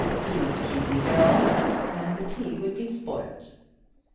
"You'd keep me here all night, and the tea will be spoilt."